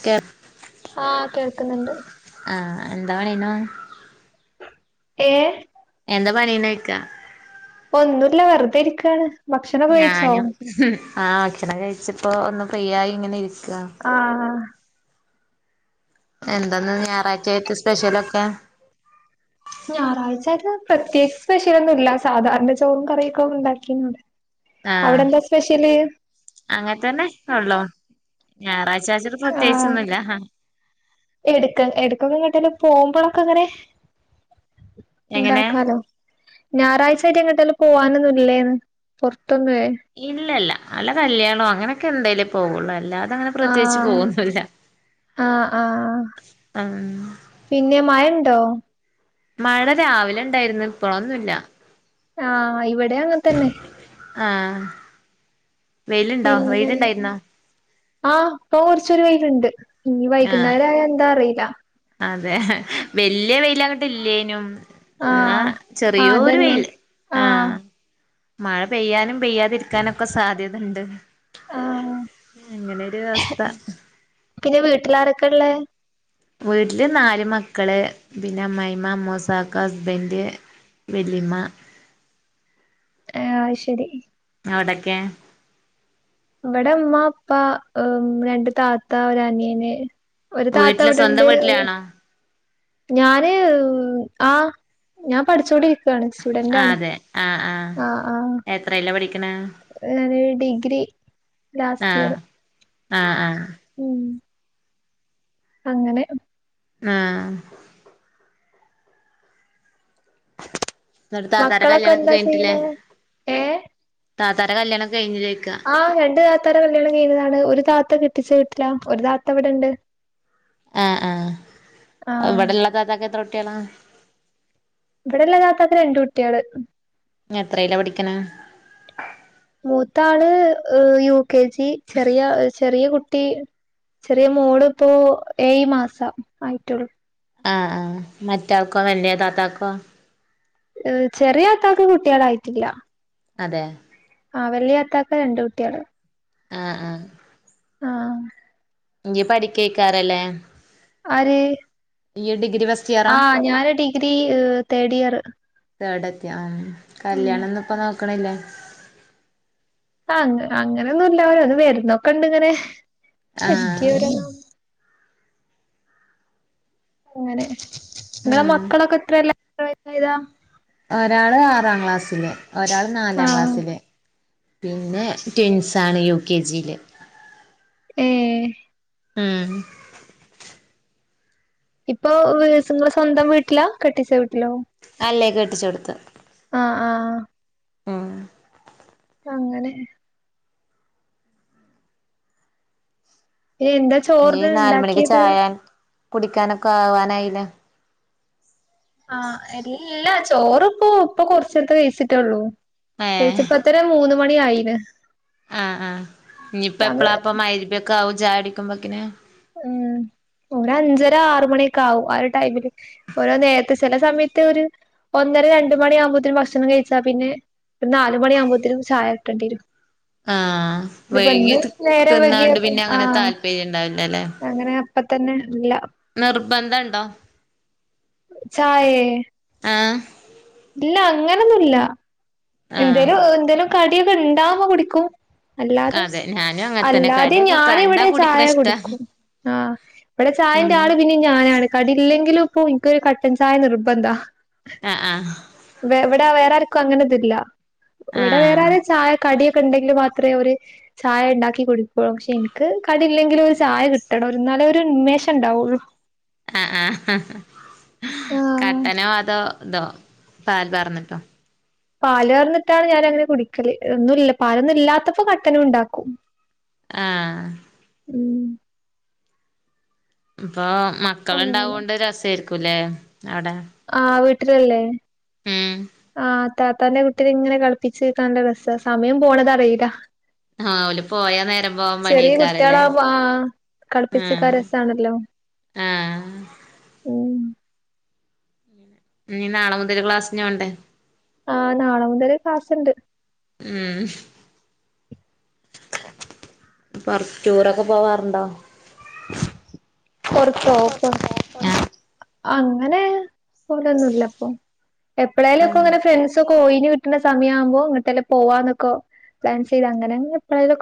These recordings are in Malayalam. ക്കെ ആഹ് കേൾക്കുന്നുണ്ട് ആഹ് എന്താ പണിയേണു ഏഹ് എന്താ പണീന്നോയ്ക്ക ഒന്നുല്ല വെറുതെ ഇരിക്കാണ് ഭക്ഷണം കഴിച്ചോ ഞാനും ആ ഭക്ഷണം കഴിച്ച് ഇപ്പോ ഒന്ന് ഫ്രീ ആയി ഇങ്ങനെ ഇരിക്ക ആഹ് എന്താന്ന് ഞായറാഴ്ചയായിട്ട് സ്പെഷ്യലൊക്കെ ഞായറാഴ്ചത് പ്രത്യകിച്ച് സ്പെഷ്യലൊന്നും ഇല്ല സാധാരണ ചോറും കറിയൊക്കൊ ഉണ്ടാക്കിന്ന് അവിടെന്താ സ്പെഷ്യല് അങ്ങനത്തന്നെ ഉള്ളോ ഞായറാഴ്ച്ച [unintelligible] ആഹ് പ്രത്യേകിച്ചൊന്നുല്ല എടുക്ക എടുക്ക [unintelligible] പോകുമ്പളൊക്കെ അങ്ങനെ എങ്ങനെ ഉണ്ടാക്കാലോ ഞായറാഴ്ച്ച ആയിട്ട് എങ്ങോട്ടേലും പോവാനൊന്നും ഇല്ലേന്ന് പുറത്തൊന്നുവേ ഇല്ലല്ല അല്ല കല്യാണോ അങ്ങനെക്കെ എന്തേലേ പോവുള്ളൂ അല്ലാ അങ്ങനെ പ്രത്യേകിച്ച് ആഹ് പോകുന്നില്ല ആഹ് ആഹ് ഉം പിന്നെ മയണ്ടോ മഴ രാവിലെ ഉണ്ടായിരുന്നു ഇപ്പളൊന്നുല്ല ആഹ് ഇവിടെ അങ്ങനെ തന്നെ ആഹ് വെയിലുണ്ടോ പിന്നെ വെയിലുണ്ടായിരുന്നോ ആ ഇപ്പൊ കുറച്ചൊരു വെയിലുണ്ട് ഇനി ആഹ് വൈകുന്നേരം ആയ എന്താ അറിയില്ല അതെ വല്യ വെയിലവിടെ ഇല്ലേനും എന്നാ ആഹ് ആഹ് ചെറിയോരു അതന്നെ വെയില് ആഹ് മഴ പെയ്യാനും പെയ്യാതിരിക്കാനൊക്കെ സാധ്യത ഇണ്ട് ആഹ് അങ്ങനൊരു അവസ്ഥ പിന്നെ വീട്ടിലാരൊക്കെ ഇള്ളേ വീട്ടില് നാല് മക്കള് പിന്നെ അമ്മയിമ്മ അമ്മൂസാക്ക ഹസ്ബന്റ് വല്ലിമ്മ ആഹ് അയ് ശരി അവ്ടെക്കെ വെട മ്മ പ്പ എ രണ്ട് താത്ത ഒരനിയന് ഒര് താത്ത വീട്ടില് സ്വന്തം വ്ടണ്ട് അ് വീട്ടിലാണോ ഞാന് ആഹ് ഞാം പഠിച്ചോണ്ടിരിക്കാണ് ശ് ആഹ് തെ ആ ആ എത്രേലാ പടിക്ക്ണെ? അ് ആന് ഡിഗ്രി ആഹ് ലാസ്‌റ്റിയർ ആഹ് ആ ഊം അങ്ങനെ ഉം ആഹ്. ന്ന്ട് താത്താന്റെ മക്കളൊക്കെ കല്ല്യാണൊക്ക എന്താ കയ്ഞ്ഞിട്ട്ല്ലേ? ചെയ്യണെ ഏഹ് താത്താടെ കല്ല്യാണം കയ്ഞ്ഞില്ലേയ്ക്ക ആഹ് രണ്ട് താത്താരെ കല്ല്യാണം കഴിഞ്ഞതാണ്. ഒര് താത്ത കെട്ടിച്ച വീട്ടിലാ ഒര് താത്ത വ്ടണ്ട്. ആ ആഹ് ആഹ് വെടള്ള താത്താക്കെത്രൊട്ട്യളാ? വെടള്ള താത്താക്ക് രണ്ടുട്ട്യേള് ഞെത്രേല പടിക്ക്ണെ? മൂത്താള് യു കെ ജി ചെറിയ ഇ ച് ചെറിയ കുട്ടി ചെറിയ മോള്പ്പോ ഏയ് മാസം ആയിട്ടെള്ളു ആ ആഹ് മറ്റാൾക്കോ? വല്ല്യ താത്താക്കോ? ഏ ചെറിയാത്താക്ക് കുട്ട്യളായിറ്റ്‌ല്ല. അതേ ആഹ് വല്യാത്താക്ക് രണ്ടുട്ട്യള് ആ ആഹ് ങ്ങി പടിക്കെയ്ക്കാറല്ലേ ആര്? യ്യി ഡിഗ്രി വസ് ആഹ് ഞാന് ഡിഗ്രി തേഡിയറ് തേടത്ത്യൊ ആഹ് കല്യാണൊ ന്നുപ്പനോക്ക്ണ്ല്ലെ? ആങ്ങ് അങ്ങനൊന്നുല്ലോരോന്ന് വെര്ന്നൊക്കണ്ട്ങ്ങനെ ആഹ് [inaudible] അങ്ങനെ ങ്ങള ഉം മക്കളൊക്കെ ത്രേലാ [unintelligible] ഒരാള് ആറാം ക്ലാസ്സില്. ഒരാള് ആ നാലാം ക്ലാസ്സില്. പിന്നെ ട്വിൻസാണ് യു കെ ജീല് ഏഹ് ഊം ഹ് ഇപ്പോ വ്സ് ങ്ങള് സ്വന്തം വീട്ട്ലാ? കെട്ടിച്ച വീട്ട്ലോ? അല്ലെ കെട്ടിച്ചോട്ത്ത് ആ ആ ആഹ് ഉം അങ്ങനേ യെന്ത ചോർന്ണ്ടാക്ക്യത്? കുടിക്കാനൊക്ക ആവാനായിലെ? ആഹ് അരില്ല ചോറ് പോ പ്പൊ കൊർച്ചെട്ത്ത് വെയ്ച്ചിറ്റേള്ളൂ ഏഹ് വെയ്ച്ചപ്പത്തരെ മൂന്ന് മണി ആയിന് ആ ആഹ് ഞ്ഞിപ്പെപ്പ്ളാ സമയം പ്പം മയ്രിബെക്കാഓ ചായടിക്കുമ്പക്ക്ന്? ആഹ് ഒരഞ്ചര ആറ്മണിയൊക്കാവും ആ ഒ ടൈമില് ഓരൊ നേര്ത്ത് സെല സമിയത്ത് ഒര്ഒന്നര രണ്ട് മണിയാമ്പത്തിനു ഭക്ഷണം കയ്ച്ചാ പിന്നെ ഒര്നാല് മണിയാമ്പത്തിനും ചായ ട്ടണ്ട്യരു ആഹ് വൈകിട്ട് നേരം വൈകിയ ത്‌ന്നാണ്ട് പിന്നങ്ങന ആഹ് താല്പര്യണ്ടാവ് ല്ലല്ലെ അങ്ങനെ അപ്പ തെന്നെ ല്ല ന്ർബ്ബന്ധണ്ടോ? ച്ചായേ? ആഹ് ഇല്ല അങ്ങനൊന്നുല്ല ആഹ് എന്തേലും എന്തേലും കടിയൊക്കെ ഇണ്ടാവ്മ്പോ കുടിക്കും അല്ലാതെ അതെ ഞാനും അങ്ങനെ തന്നെ അല്ലാതെ കടിയൊക്കെ കണ്ടാ ഞാനിവിടെ കുടിക്കണ ചായ ഇഷ്ടാ കുടിക്കും ആഹ് ഇവിടെ ചായന്റെ ആള് പിന്നിം ഞാനാണ് കടില്ലെങ്കിലും ഇപ്പോ ഇൻക്കൊരു കട്ടൻ ചായ നിർബന്ധാ അഹ് ആഹ് വ് ഇവിടെ വേറെ ആർക്കും അങ്ങനെതില്ല ഇവിടെ ആഹ് വേറാരും ചായ കടി ക്കെണ്ടെങ്കില് മാത്രേ ഓര് ചായിണ്ടാക്കി കുടിക്കുള്ളൂ പക്ഷെ എനിക്ക് കടിയില്ലെങ്കിലും ഒരു ചായ കിട്ടണം ഒരു എന്നാലെ ഒരു ഉന്മേഷം എണ്ടാവുള്ളൂ അഹ് ആഹ് ആഹ് കട്ടനോ അതോ ഇതോ പാൽ പകർന്നിട്ടൊ പാല് കർന്നിട്ടാണ് ഞാനങ്ങനെ കുടിക്കല് ഒന്നുല്ല പാലൊന്നും ഇല്ലാത്തപ്പോ കട്ടനുംണ്ടാക്കും ആഹ് ഉം ഇപ്പാ അങ്ങനെ മക്കളെണ്ടാവോണ്ട് രസായിരിക്കുംല്ലേ അവിടെ ആഹ് വീട്ടിലല്ലേ ഉം ആഹ് താത്താൻ്റെ കു ട്ടീനെ ഇങ്ങനെ കൾപ്പിച്ച്ക്കാന് നല്ലരസാ സമയം പോണതറിയില്ല ആഹ് ഓല് പോയാ നേരം പോവാൻ മടേക്കാരില്ലേ കളിപ്പിച്ചിക്കാ രസാണല്ലോ ആഹ് ഉം ഇഞ്ഞി നാളെ മുതല് ക്ലാസിനോണ്ടെ ആഹ് നാളെ മുതല് ക്ലാസ്ണ്ട് ഉം പൊർ ടൂറൊക്കെ പോവാറുണ്ടോ പൊറത്തോ പൊർ ആഹ് അങ്ങനെ പോവലൊന്നുല്ലപ്പൊ ആഹ് എപ്പളേലൊക്കെങ്ങനെ ഫ്രണ്ട് സ്കോയിനെ കിട്ടണ സമയാവുമ്പോ എങ്ങട്ടേലും പോവന്നൊക്കെ പ്ലാൻ ചെയ്ത് അങ്ങനെങ്ങനെ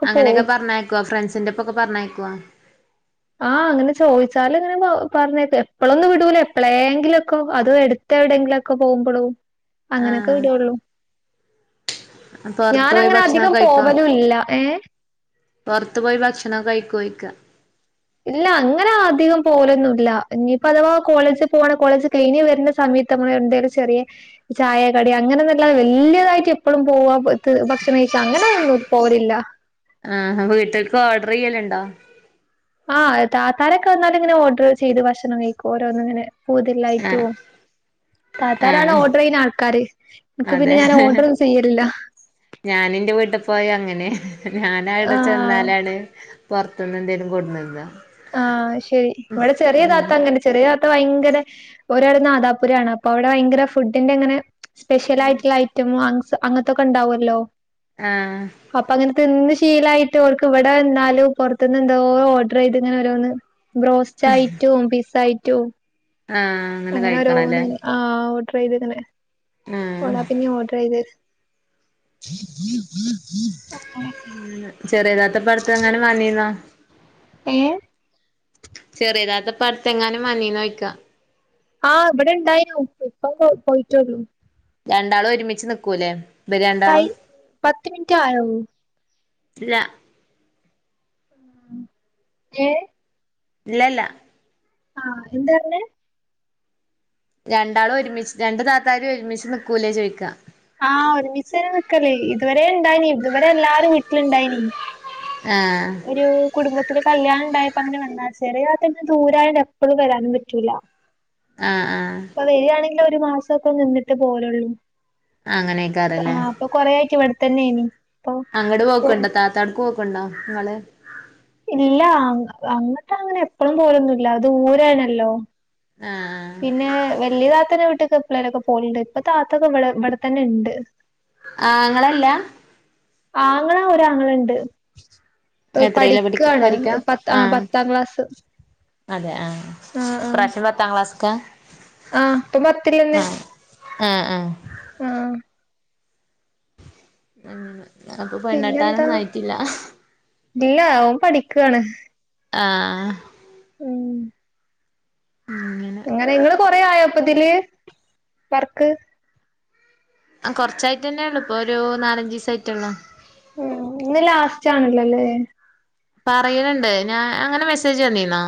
അങ്ങനെക്കെ പറഞ്ഞയ്ക്കോ ഫ്രണ്ട്സിന്റെപ്പൊക്കെ പറഞ്ഞയ്ക്ക്വ ആഹ് അങ്ങനെ ചോദിച്ചാല് ഇങ്ങനെ പ പറഞ്ഞേക്കും എപ്പളൊന്നും വിടൂല എപ്പളേങ്കിലും ക്കെ അതോ എടുത്ത് എവിടെയെങ്കിലു ഒക്കെ പോകുമ്പളും അങ്ങനക്കെ ആഹ് വിടൊള്ളു പൊറത്തു പോയ് ഞാനങ്ങനെ ഭക്ഷണൊക്കെ അധികം കഴിക്കൊ പോവലും ഇല്ല ഏഹ് പുറത്ത് പോയി ഭക്ഷണോക്കൈക്കോയ്ക്കാ ഇല്ല അങ്ങനാ അധികം പോവലൊന്നും ഇല്ല ഇനിയിപ്പോ അഥവാ കോളേജി പോവാണെ കോളേജ് കഴിഞ്ഞ് വരണ സമയത്ത് നമ്മൾ എന്തേലും ചെറിയ ചായ, കടി അങ്ങനെന്നല്ലാതെ വല്യതായിട്ട് എപ്പളും പോവാ ത് ഭക്ഷണംകഴിക്ക്യ അങ്ങനതൊന്നും പോകല്ലില്ല ആഹ് വീട്ടിക്ക് ഓർഡർ ചെയ്യലിണ്ടോ ആഹ് താത്തരേക്ക് വന്നാലും ഇങ്ങനെ ഓഡർ ചെയ്ത് ഭക്ഷണം കഴിക്കും ഓരോന്നിങ്ങനെ ആഹ് കൂടുതലായിറ്റും താത്താരാണ് ആഹ് ഓർഡർ ചെയ്യുന്ന ആൾക്കാര് എനിക്ക് പിന്നെ ഞാൻ ഓർഡറൊന്നും ചെയ്യലില്ല ഞാനിന്റെ വീട്ടിക്ക് പോയാ അങ്ങനെ ഞാനവിടെ ആഹ് ചെന്നാലാണ് പുറത്തുന്ന് എന്തെങ്കിലും കൊണ്ട്തരുന്ന ആഹ് ശരി ഇവിടെ ചെറിയ താത്ത അങ്ങനെ ചെറിയതാത്ത ഭയങ്കര ഒരാൾ നാദാപുരാണ് അപ്പൊ അവിടെ ഭയങ്കര ഫുഡിന്റെ ഇങ്ങനെ സ്പെഷ്യലായിട്ടിള്ള ഐറ്റമ് [unintelligible] അങ്ങത്തൊക്കെ ഇണ്ടാവല്ലോ ആഹ് അപ്പ അങ്ങനെ തിന്ന് ശീലായിട്ട് ഓൾക്ക് ഇവിടെ നിന്നാലും പുറത്തുന്ന് എന്തോ ഓർഡർ ചെയ്ത് ഇങ്ങനെ ഓരോന്ന് ബ്രോസ്റ്റായിറ്റും പിസ്സ ആയിറ്റും ആഹ് അങ്ങനെ അങ്ങനോരോന്ന് കഴിക്കണല്ലേ ആഹ് ഓർഡർ ചെയ്തിങ്ങനെ ആഹ് ഓളാ പിന്നെയും ഓർഡർ ചെയ്ത് ഹ ഹ ഹ ഹ ഉം ചെറിയതാത്ത ഇപ്പടുത്തെങ്ങാണം വന്നീന്നോ ഏ ചെറിയ താത്തപടുത്തെങ്ങാനും വ ന്ന നൊയ്ക്കാ ആഹ് ഇവിടെ ഇണ്ടായിരുന്നു ഇപ്പം പോയ്‌ പോയിറ്റൊള്ളു രണ്ടാളു ഒരുമിച്ച് നിക്കൂല്ലേ ഇബര് രണ്ടാളും. തായി പത്ത് മിനിറ്റ് ആയോ ഇല്ല എ ഇല്ലല്ല ആഹ എന്ത പറഞ്ഞെ രണ്ടാളും ഒരുമിച്ച് രണ്ട്താത്താരും ഒരുമിച്ച് നിക്കൂലേ ചോയിക്ക ആഹ ഒരുമിച്ച് തന്നെ നിക്കല് ഇതുവരെ ഇണ്ടായിനി ഇതുവരെ എല്ലാരും വീട്ടില് ഇണ്ടായിനി ആ.. ഹ് ഒരു കുടുംബത്തില്കല്യാണ ണ്ടായപ്പോ അങ്ങനെ വന്നതാ ചെറിയ താത്ത ന്നെ ദൂരായൊണ്ട് ട്ട് എപ്പളും വരാനും പറ്റൂല്ല ആഹ് ആഹ് ഇപ്പൊ വരിണെങ്കിലില് ഒരു മാസവൊക്കെ നിന്നിട്ട് പോലള്ളൂ അങ്ങനെയ്ക്കാരല്ലേ ആ പ്പൊ കൊറേ ആയിറ്റ് ഇവിടെത്തന്നെയിനി പ്പൊപ്പൊ ത്താട്ക്കോക്ക്ണ്ടോ ങ്ങള്ത ഇല്ല അങ്ങ് അങ്ങട്ടങ്ങനെ എപ്പളും പോലൊന്നുല്ല അത് ദൂരെണല്ലോ ആഹ് ആ പിന്നെ വലിയ താത്തന്റെ വീട്ട്ക്ക് എപ്പളേലൊക്കെ പോകലുണ്ട് ഇപ്പൊ താത്തത ഇവ്ടെ ഇവിടെത്തന്നെണ്ട് ആങ്ങളല്ല ആങ്ങളഒരാങ്ങളണ്ട് എത്രയിലാ പഠിക്ക പഠിക്കാണ് പഠിക്കാ പ ത് ആ ആഹ് പത്താം ക്ലാസ് അതെ ആഹ് പ്രാവശ്യം പത്താം ക്ലാസ്ക്കാ ആഹപ്പൊ പത്തിരിയന്നെ.... ആഹ് ആഹ് ആഹ് ആഹ് ഉം അപ്പൊ പിന്നെന്താ പെണ്ണേട്ടാനൊന്നും ആയിട്ടില്ല.. ഇല്ല. ഓൻ പഠിക്കാണ് ആആ.. ഹ് മ്മ് ഉ മ് അങ്ങനെ ഇങ്ങള് കൊറെ ആയപ്പതില് വർക്ക് ആഹ് കൊറച്ചായിറ്റെന്നെള്ളൂ ഇപ്പൊരു നാലഞ്ചിസായിറ്റൊള്ളൂ ഉം ഇന്ന് ലാസ്റ്റാണലല്ലല്ലേ പറയണിണ്ട് ഞാൻ അങ്ങനെ മെസ്സേജ് വന്നിനോ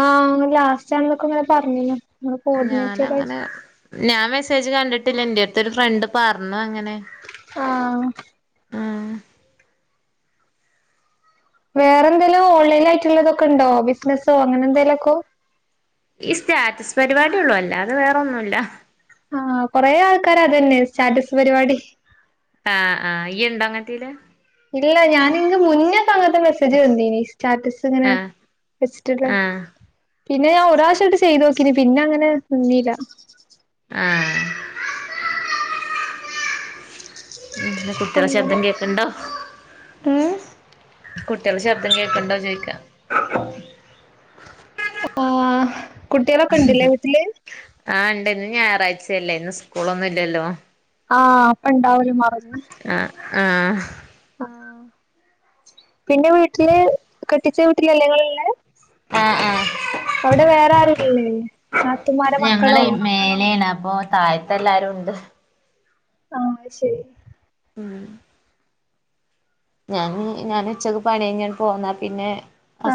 ആഹ് അങ്ങനെ ലാസ്റ്റ് അങ്ങനെ ഒക്കെ പറഞ്ഞിനു ഇങ്ങനെ കോർഡിനേറ്റർ ആയി- ഞാനങ്ങനെ ഞാൻ മെസ്സേജ് കണ്ടിട്ടില്ല എന്റെ അടുത്ത് ഒരു ഫ്രണ്ട് പറഞ്ഞു അങ്ങനെ- ആഹ് ആഹ് വേറെ എന്തേലും ഓൺലൈൻ ആയിട്ട് ഉള്ളതൊക്കെ ഉണ്ടോ ബിസിനസ്സോ അങ്ങനെ എന്തേലുമൊക്കെ ഈ സ്റ്റാറ്റസ് പരിപാടിയെള്ളൂ അല്ലേതെ വേറൊന്നുംയില്ല ആഹ് കൊറെ ആൾക്കാര് അത് തന്നെയാ സ്റ്റാറ്റസ് പരിപാടി- ആഹ് ആഹ് ഇയ്യ് ഇണ്ടോ അങ്ങനത്തേല് ഇല്ല ഞാന് ഇൻക്ക് മുന്നേ ഒക്കെ അങ്ങനത്തെ മെസ്സേജ് വന്നിനി സ്റ്റാറ്റസ് ഇങ്ങനെ- ആഹ് വെച്ചിട്ടല്ലേ ആഹ് പിന്നെ ഞാൻ ഒരു പ്രാവശ്യംയായിട്ട് ചെയ്തു നോക്കീന് പിന്നെ അങ്ങനെ നിന്നില്ല ആഹ് ഉം ഇന്ന് കുട്ടികളുടെ അങ്ങനെ ശബ്ദം കേൾക്കുണ്ടോ ഉം കുട്ടികൾടെ ശബ്ദം കേൾക്കുന്നുണ്ടോന്ന് ചോദിക്കുവാ [inaudible] ഓഹ് കുട്ടിയളൊക്കെ ഇണ്ട് ഇല്ലേ വീട്ടില് ആഹ് ഇണ്ട് ഇന്ന് ഞായറാഴ്ചയല്ലേ ഇന്ന് സ്കൂളൊന്നും ഇല്ലല്ലോ ആഹ് അപ്പ ഇണ്ടാവല് മറന്ന് ആഹ് ആഹ് ആഹ് പിന്നെ വീട്ടില് കെട്ടിച്ച വീട്ടിലല്ലെ നിങ്ങള്ള് ഇള്ളെ ആഹ് ആഹ് അവടെ വേറാരുല്ലേ നാത്തുമാരെ ഞങ്ങളെ മക്കളോ മേലെയാണ് അപ്പോ- താഴത്ത് എല്ലാരും ഉണ്ട് ആഹ് അത് ശരി ഉം ഞാൻ ഞാൻ ഉച്ചക്ക് പണി കഴിഞ്ഞ് ഇങ്ങ് പോന്ന പിന്നെ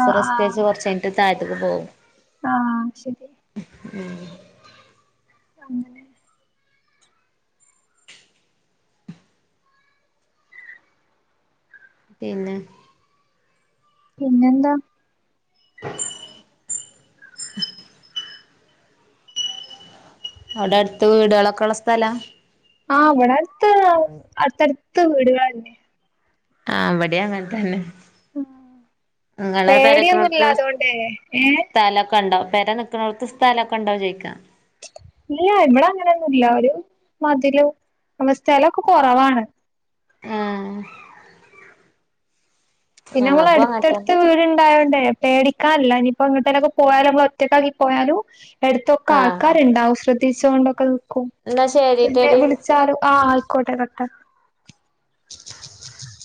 ആഹ് ആഹ് നിസ്കരിച്ചിട്ട് കൊറച്ച് കഴി ട്ട് താഴത്ത്ക്ക് പോകും ആഹ് അയ് ശരി ഉം എന്താ അങ്ങനെ പിന്നെ പിന്നെന്താ അവിടെ അടുത്ത് വീടുകളൊക്കെയുള്ള സ്ഥലാ ആഹ് ഇവിടെ അടുത്ത് അടുത്ത അടുത്ത് വീടുകൾ തന്നെ ആഹ് ഇവിടെയും അങ്ങനെ തന്നെ ഇങ്ങളെ പെര പേടിയൊന്നുല്ല നിക്ക്ണടുത്ത് അതുകൊണ്ടേ ഏഹ് സ്ഥലമൊക്കെ ഒണ്ടോ പെര നി നിക്കണട്ത് സ്ഥലൊക്കെ ഒണ്ടോ ചോയിക്കാ ഇല്ല ഇവിടെ അങ്ങനെയൊന്നുല്ല ഒരു മതിലു അമ സ്ഥലൊക്കെ കൊറവാണ്. ആഹ് പിന്നമ്മള് അടുത്തടുത്ത് അങ്ങനത്തന്നെ വീടി ണ്ടായോണ്ടേ പേടിക്കാനില്ല ഇനിയിപ്പോ എങ്ങട്ടേലൊക്കെ പോയാലും നമ്മളൊറ്റക്കാക്കി പോയാലും അടുത്തൊക്കെ ആഹ് ആൾക്കാരിണ്ടാവും ശ്രദ്ധിച്ചോണ്ടൊക്കെ നിക്കും എന്നാ പിന്നെ ശരിട്ടെടി വിളി ച്ചാലും ആഹ് ആയിക്കോട്ടെ കട്ട്